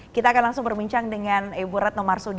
kita akan langsung berbincang dengan ibu retno marsudi